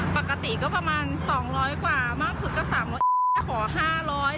ปกติก็ประมาณสองร้อยกว่ามากสุดก็สามร้อยขอห้าร้อย